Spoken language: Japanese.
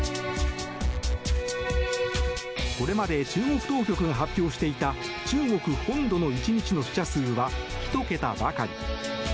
これまで中国当局が発表していた中国本土の死者数は１桁ばかり。